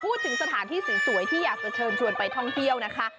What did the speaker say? พูดถึงสถานที่สวยที่อยากจะเชิญชวนไปท่องเที่ยวนะคะ